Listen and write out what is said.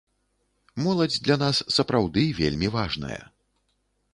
Моладзь для нас сапраўды вельмі важная.